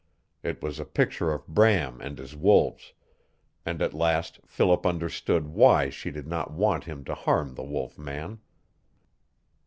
It was a picture of Bram and his wolves, and at last Philip understood why she did not want him to harm the wolf man.